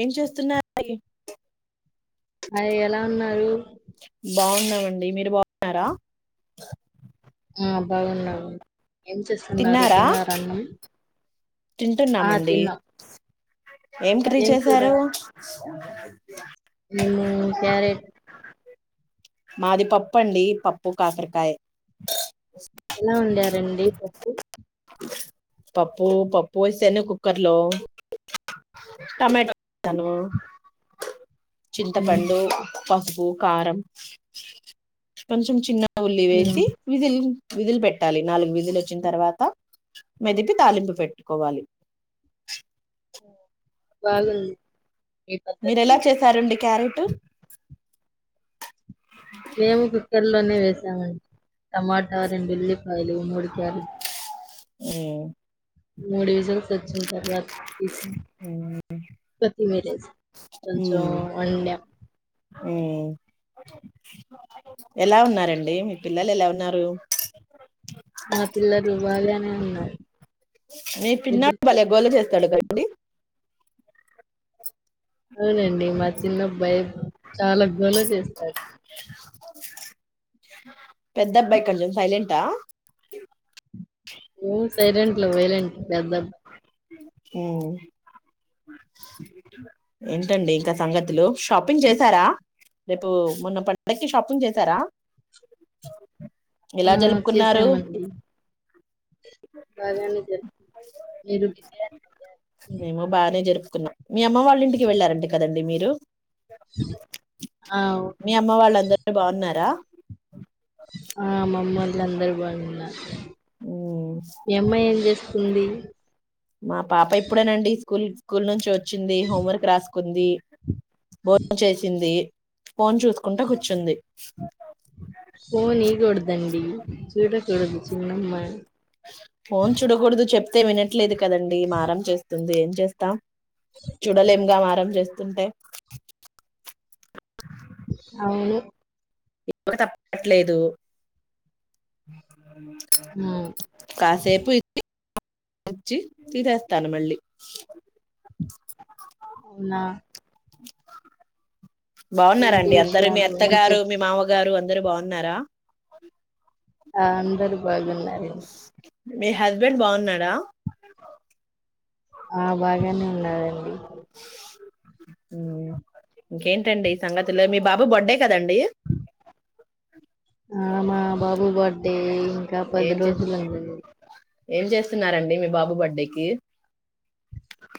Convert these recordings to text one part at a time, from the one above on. ఏం చేస్తున్నా [inaudible] యి. హాయ్ ఎలా ఉన్నారు. బాగున్నామండి, మీరు బాగున్నారా. ఆ బాగున్నావు. ఏం చేస్తున్నారు, తిన్నారా అన్నం. ఆ తింటున్నామండి. తిన్నాం ఏం కర్రీ చేశారు. [inaudible] ఉమ్మ్ క్యారెట్. క మాది పప్పన్డి, పప్పు కాకరకాయ్. ఎలా ఉంది. రండి పప్పు. పప్పు, పప్పు వేసానుని కుక్కర్ లో, టమటో వేసాను. ఉమ్ చింతపండు. పసుపు, కారం. ఉల్లి ఉమ్ వేసి, విజిల్. విజిల్ పెట్టాలి. నాలుగు విజిల్ ఓచ్చిన తర్వాత, మెదిపి తాలింపు పెట్టుకోవాలి. బాగున్. మీర్ ఎలా చేశారండి క్యారెటు. మేము కుక్కర్ లోనే వేసా. ఉమ్ టమాటా, రెండు ఉల్లిపాయలు, మూడు క్యారెట్. మ్మ్ మూడు విజిల్స్ వచ్చిన తర్వాత్ కొత్తిమీరేసి కొంచెం మ్మ్. ఒండామ్ మ్మ్ ఎలా ఉన్నారండి మీ పిల్లలు ఎలా ఉన్నారు మా పిల్లలు బాగానే ఉన్నారు మీ పిన్నప్ భలేె గోళ నిద్రపోతున్నారు చేస్తాడు డి అవునండి మా చిన్నబ్బాయి చాలా గోల చేస్తాడు పెద్ద అబ్బాయి కొంచెం సైలెంటా మ్మ్ సైలెంట్లో వైలెంట్ పెద్దబ్ హ్మ్ ఏంటండి ఇంక సంగతులు షాపింగ్ చేశారా రేపు మొన్న పండక్కి షాపింగ్ చేసారా ఇలా ఆ! జలుపుకున్నారు చేశామండి. బాగానే జరిగింది. మీరు బిర్యానీ బాగా- మేము బానే జరుపుకున్నాం మీ అమ్మ వాళ్ళ ఇంటికి వెళ్ళారంటే కదండి మీర్ డో ఆ! మీ అమ్మ వాళ్ళ అంద రు బాన్నారా ఆ మమ్మోలందరూ బాగున్నారు ఉమ్, ఏమ్మా ఏం చేస్తుందీ మా పాప ఇప్పుడేనండీ స్కుల్ స్కూల్ నుంచొ చ్చింది హోం వర్క్ రాస్ కుందీ భోన్ చేసిందీ ఫోన్ చూస్కుంట కూచ్చుంది ఫోన్ ఈగుడ్దండీ చూడు గొడుగు చిన్నమ్మా ప్తే వినట్లేదుక కదండీ మారం చేస్ తుంది ఏం చేస్తాం చూడలేం గా మారం చేస్తుంటే ఔను ఇప్పుడు తప్పట్లేదు హ్మ్. కాసేపు ఇ వచ్చి తీసేస్తాను మళ్ళీ అవునా బాగున్నారా ఏంటి అండీ అందరు మీ విషయాలు? ఏం అత్తగారు చెప్ మీ మామగారు అంద్ అందరు బాగున్నారా ఆ అందరు బాగున్నారండి మీ హస్బెండ్ బాగున్నాడా ఆ బాగానే ఉన్నాడు అండి ఊ ఇంకేంటండి సంగతులు మీ బాబు బర్త్డే కదండీ ఆ మా బాబు బర్త్డే ఇంకా పది ఏం చే రోజులు అండి ఏం చేస్తున్నారండీ మీ బాబు బర్త్డేకి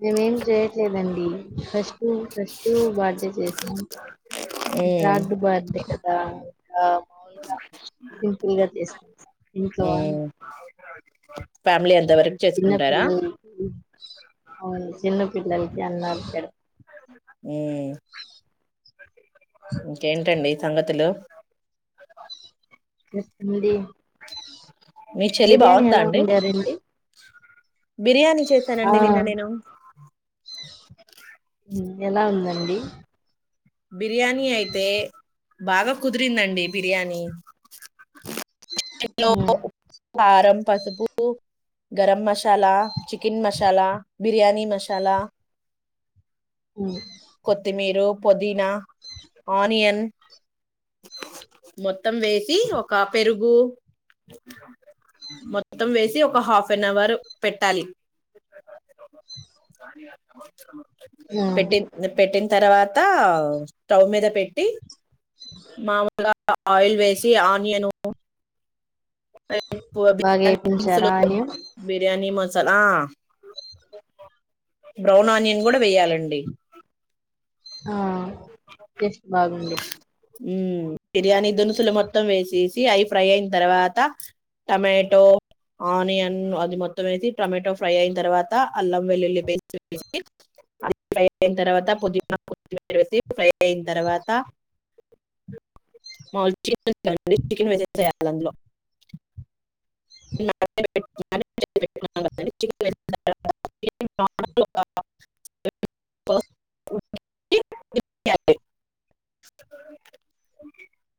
మీ మేం చేయట్లేదం ఊ ఫస్ట్ ఊ ఫస్ట్ బర్త్డే చేసినాం ఈ త్రాడ్ బర్త్ డే కదా ఆ మామూలుగా సింపుల్ గా చేసుకు ఇంట్లో వాన్ ఫ్యామిలీ అం అంత వరకు చేసుకుంటారా పిల్లలకి అవును చిన్న పిల్లల కి అన్నాలు పెడు ఇంకేంటండి సంగతులు చేస్తుంది మీ చెల్లి బిర్యానీ బాగుందా ఎలా ఉండది అండి బిర్యానీ చేశాను అండి నిన్న నేను ఉమ్ ఎలా ఉందండి బిర్యానీ అయితే బాగా కుదిరింది అండీ బిర్యానీ లో ఉమ్, ఉహారం పసుపు గరం మసాలా చికెన్ మసాలా బిర్యానీ మసాలా ఉమ్, కొత్తిమీరు పుదీనా ఆనియన్ మొత్తం వేసి ఒక పెరుగు మొత్తం వేసి ఒక హాఫ్ అన్ అవర్ పెట్టాలి న ద పెట్టిన తర్వాత స్టవ్ మీద పెట్టి మాముల్ గా ఆయిల్ వేసి ఆనియను బాగా వేపించారా బయా అని బిర్యానీ మ ఆ బ్రౌన్ ఆనియన్ కూడా వెయ్యాలి అండీ ఆ టేస్ట్ బాగుంది ఉమ్ బిర్యానీ దునుసులు మొత్తం వేసి అవి ఫ్రై అయిన తర్వాత టమాటో ఆనియన్ ఆది మొత్తం టమాటో ఫ్రై అయిన తర్వాత అల్లం వెల్లుల్లి పేస్ట్ వేసి ఆది ఫ్రై అయిన తర్వాత పుదినా కొత్తిమీర వేసి ఫ్రై అయిన తర్వాత చెన్న్ చేయాలందులో ఆ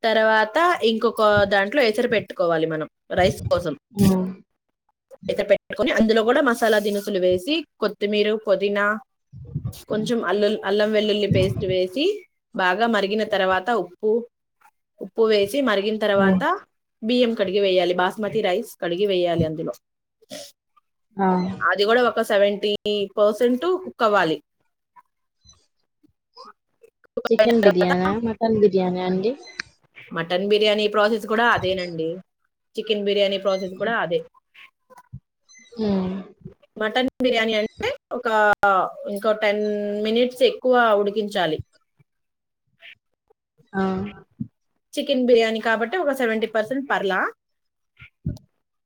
తర్వాత ఇంకొక దాంట్లో ఎసరు పెట్టుకోవాలి మనం కోసం ఉమ్, అయితే పెట్టుకొని అందులో కూడా మసాలా దినుసులు వేసి కొత్తిమీర పుదీనా కొంచెం అల్లులీ అల్లం వెల్లుల్లి పేస్ట్ వేసి బాగా మరిగిన తర్వాత ఉప్పు ఉప్పు వేసి మరిగిన ఉమ్, తర్వాత బియ్యం కడిగి వేయాలి బాస్మతి రైస్ కడిగి వేయాలి అందులో ఆ అది కూడా ఒక సెవెంటీ పర్సెంట్ కుక్ అవ్వాలి చికెన్ బిరియానా మటన్ బిరియానా అండి మటన్ బిర్యానీ ప్రాసెస్ గుడా అదేనండి చికెన్ బిర్యానీ ఇ ప్ ప్రాజెక్ట్ గుడా అదే ఊ మటన్ బిర్యానీ అంటే ఒకఆ ఇంకో టెన్ మినిట్స్ ఎక్కువా ఉడికించాలి ఆ చికెన్ బిర్యానీ కాబట్టి ఒక సెవెంటీ పర్సెంట్ పర్లా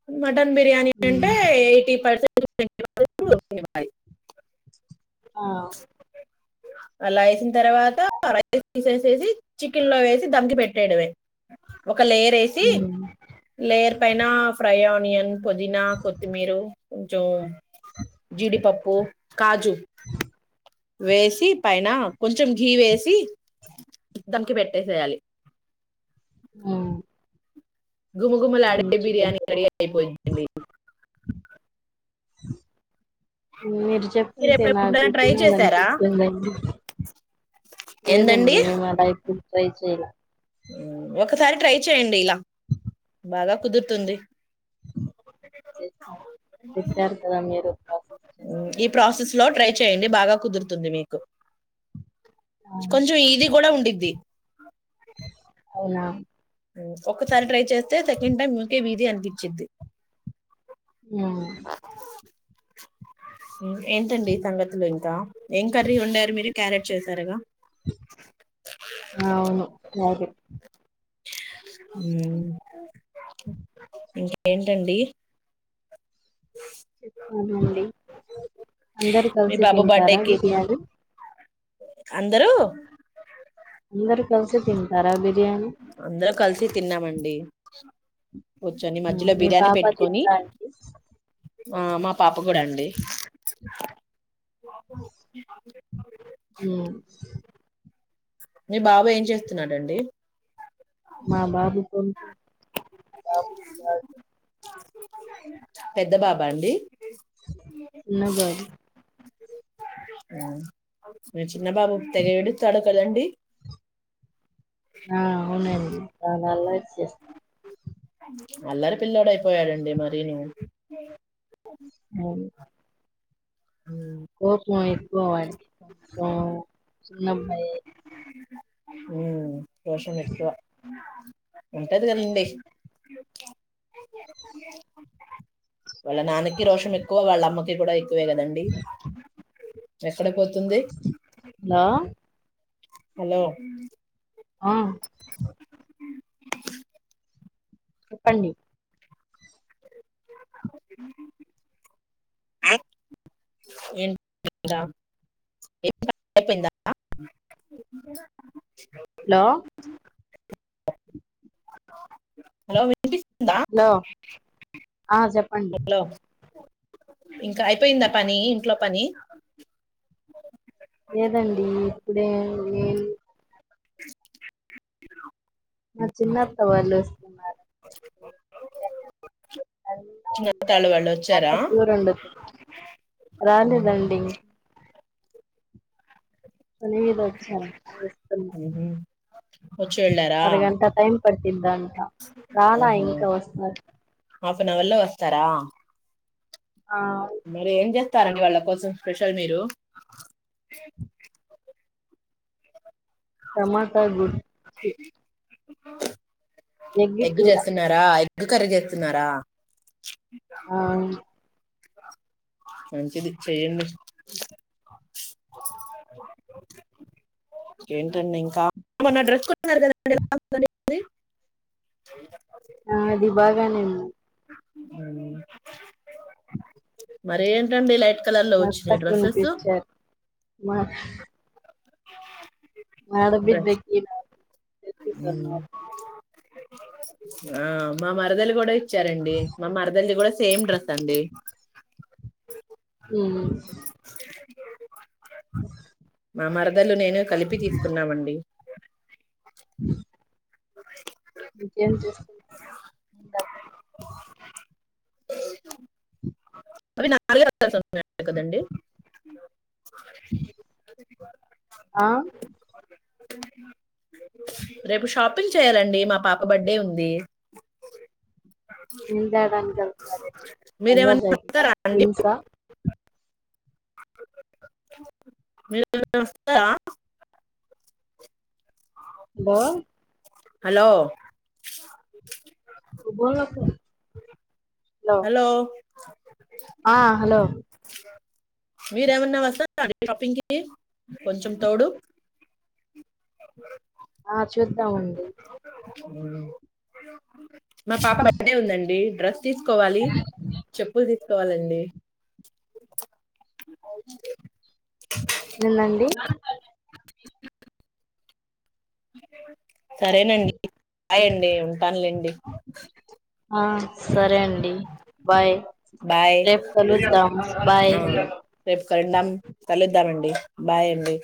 వట్ మటన్ బిర్యానీ ఉమ్ కంటే ఎయిటీ పర్సెంట్ ఓకేయ [unintelligible] ఆ అలా అయిసుము తర్వాత రైస్ తీసేసేసి చికెన్ లో వేసి దమ్కి పెట్టేడమే ఒక లేయర్ ఏసి ఉమ్ లేయర్ పైన ఫ్రై అవ్వ నీ యన్ పుదీనా కొత్తిమీరు జో జీడి పప్పు పో కాజూ వేసీ పైన కొంచెం గీ వేసి దమ్కి పెట్టేసేయాలి ఉ గుమగుమలాడే బిర్యానీ రెడీ అయిపోయిందండి [unintelligible] మీరు చెప్తే నాకు ఎప్పుడెప్పుడైనా ట్రై చేశారా తినాలనిపిస్తుందిండి ఏందండి లేదండి మేము అలాకు ఎక్కు ట్రై చేయల ఒకసారి ట్రై చేయండి ఇలా బాగా కుదురుతుంది స్తా చెప్పారు కదా మీరు పాసస్ మ్మ్, చేస్తాం ఈ ప్రాసెస్ లో ట్రై [unintelligible] చేయండి బాగా కుదురుతుంది మీకు ఆ, కొంచెం ఈజీ గూడా ఉండిద్ది అవునా ఒక్క సారి ట్రై చేస్తే సెకండ్ టైమ్ మీకే వీజీ అనిపించిది హు [inaudible] ఏంటండి సంగతులు ఇంకా ఏం కర్రీ వండారు మీరు క్యారెట్ చేసారుగా అవును సరే [inaudible] హు ఇంకేంటండి చెప్పండి అందరు మీ కలిసి బాబు తింటారా బర్త్డేకి బిర్యాని అందరూ అందరు కలిసే తింటారా బిర్ అందరు కలిసి తిన్నామండి కూర్చొని మధ్యలో మీ బిర్యానీ పాప పెట్టుకొని తిందాండి ఆ మా పాప కూడా అండి [unintelligible] ఏ మీ బాబు ఏం చేస్తున్నాడండి మా బాబు కొనుకొని మా బాబు కాదు పెద్ద బాబాండి చిన్న బాబు ఆ మీ చిన్న బాబు తెగ ఏడుత్తాడు కదండి ఆ అవునండి చాలా అల్ల చేస్తా అల్లరి పిల్లోడు అయిపోయాడండి మరిను మూడు గాడ్ ఓ చిన్న అబ్బాయే ఉం రోషం ఎక్కువ ఉంటదికదిండి వాళ్ల నాన్నకి రోషం ఎక్కువ వాళ్ళమ్మ తీగుడై వేగనండి ఎక్కడ పొత్ తుంది లో హలో ఆ చెప్పండి ఐ లే దా ఐపోయిందా లో హలొ విన్ పిస్తుందా హలో ఆ చెప్పండి అలొ ఇంక అయిపోయింద పనీ ఇంట్లొ పని లేదండీ ఇప్పుడే నేన్ [inaudible] మ చిన్నత్త వాళ్ళు వస్తున్నారండి వాళ్ళు వాళ్ళు వచ్చారా [inaudible] ఉమ్, రాలేదండి లేదు వచ్చారంట వస్తున్నా ఒచ్చి వెళ్ళారా అరగంట టైం పట్టిద్దంట రాలా ఊహు ఇంకా వస్తారు ఆఫ్ ఎన్ అవర్ లో వస్తారా ఆ మీరేంచేస్ తరండి వాళ్ళ కోసం స్పెషల్ మీరూ టమాట గుజ్జు ఎగ్గ్ జేస్తన్నారా ఎగ్గు కర్రీ చేత్తున్నారా ఆమ్ మంచిది చెయ్యండి ఏంటండి ఇంకా [inaudible] ఆ, అది బాగానే ఉంది మరేంటండి ఇల మాత్త కొన్ తెచ్చారు మా [inaudible] ఆడబిడ్డ కి మ్మ్ ఆ మా మరదలి గూడ ఇచ్చారండి మా మరదల్ది కూడ సేమ్ డ్రస్ అండి హ్మ్ [inaudible] మా మరదల్లు నేన్‌ నేన్కలిపి తీసుకున్నామండి [inaudible] [inaudible] ఇంకేం జేస్త్ [inaudible] [inaudible] [unintelligible] [unintelligible] [unintelligible] కదండి [inaudible] [inaudible] ఆ రేపు షాపింగ్ చేయాలండి మా పాప బర్డ్డే ఉంది నీళ్లు తాగడానికి వెళ్తున్నారేంటి లంగా జాకెటా మీరేమన్నాంటారా అండి జీన్సా [unintelligible] హలో హలో [unintelligible] హలో [unintelligible] ఆ హలో మీరు ఏమన్నా వస్తారా షాపింగ్ కి కొంచెం తోడు ఆ చూద్దామండి ఊహు మా పాప బర్త్డే ఉందండి డ్రెస్ తీసుకోవాలి చెప్పులు తీసుకో కోవాలండి నిన్న అండి [inaudible] [unintelligible] సరేనండి బాయ్ అండి ఉంటానులేండి ఆ సరే అండి బాయ్ బాయ్ రేపు కలుద్దాం బాయ్ ఆహా రేపు కలుద్దాం కలుద్దాం ఉంటానండి బాయ్ అండి